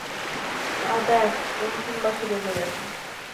আর ব্যস, অন্তিম বাঁশি বেজে গেছে।